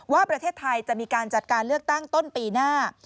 ว่าประเทศไทยจะมีการจัดการเลือกตั้งต้นปีหน้า